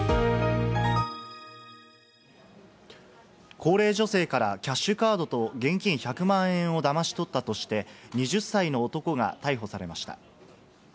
高齢女性からキャッシュカードと現金１００万円をだまし取ったとして、２０歳の男が逮捕されました。